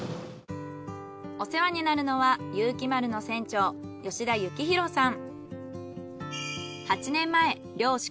お世話になるのは有希丸の船長吉田幸浩さん。